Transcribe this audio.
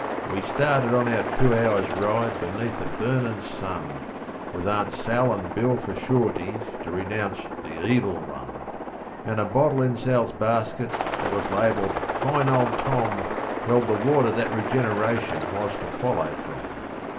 We started on our two hours' ride beneath a burnin' sun, With Aunt Sal and Bill for sureties to renounce the Evil One; An' a bottle in Sal's basket that was labelled "Fine Old Tom" Held the water that regeneration was to follow from.